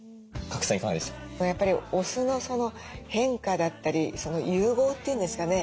やっぱりお酢の変化だったり融合っていうんですかね。